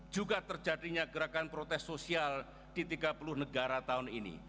juga terjadinya gerakan protes sosial di tiga puluh negara tahun ini